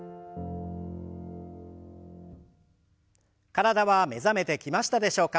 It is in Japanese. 体は目覚めてきましたでしょうか？